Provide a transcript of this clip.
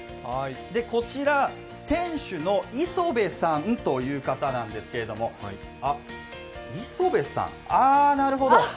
こちら、店主の磯部さんという方なんですけれど、磯部さん、ああ、なるほど。